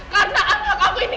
karena anak aku ini